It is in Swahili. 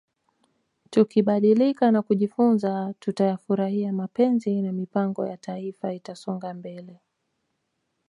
Tukibadilika na kujifunza tutayafurahia mapenzi na mipango ya Taifa itasonga mbele